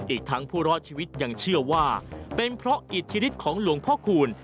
อีกทั้งผู้รอดชีวิตยังเชื่อว่าเป็นเพราะอิทธิฤทธิ์ของหลวงพ่อคูณ